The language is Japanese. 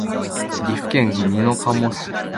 岐阜県美濃加茂市